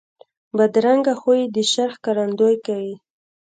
بدرنګه خوی د شر ښکارندویي کوي